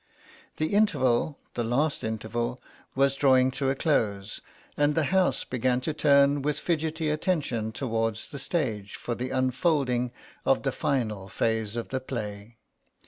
The interval, the last interval, was drawing to a close and the house began to turn with fidgetty attention towards the stage for the unfolding of the final phase of the play.